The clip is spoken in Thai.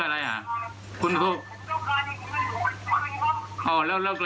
แล้วแล้วใครเอาของคุณไปอ่ะอ่าแล้วก็แล้วก็เป็น